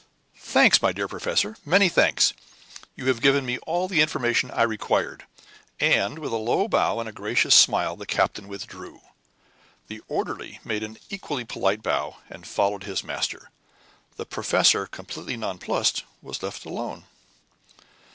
"Thanks, my dear professor many thanks. You have given me all the information I required;" and, with a low bow and a gracious smile, the captain withdrew. The orderly made an equally polite bow, and followed his master. The professor, completely nonplussed, was left alone.